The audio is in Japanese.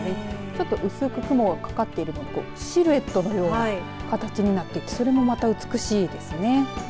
ちょっと薄く雲がかかっているのでシルエットのような形になってそれもまた美しいですね。